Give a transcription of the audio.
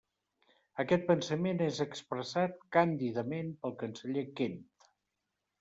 Aquest pensament és expressat càndidament pel canceller Kent.